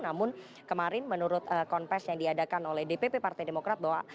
namun kemarin menurut konfest yang diadakan oleh dpp partai demokrat bahwa